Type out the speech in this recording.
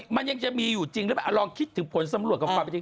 มันยังจะมีอยู่จริงหรือเปล่าลองคิดถึงผลสำรวจของความเป็นจริง